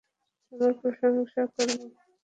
আমার প্রশংসা করবে।